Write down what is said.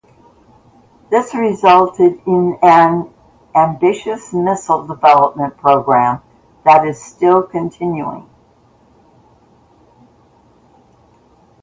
This resulted in an ambitious missile development programme that is still continuing.